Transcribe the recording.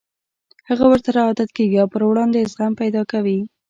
هغه ورسره عادت کېږي او پر وړاندې يې زغم پيدا کوي.